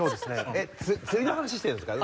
えっ釣りの話してるんですか？